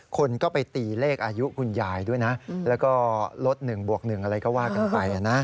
คนก็ไปตีเลขอายุคุณยายด้วยนะแล้วก็ลด๑บวก๑อะไรก็ว่ากันไปนะ